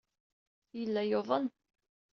Yella yuḍen.